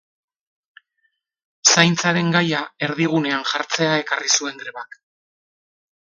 Zaintzaren gaia erdigunean jartzea ekarri zuen grebak.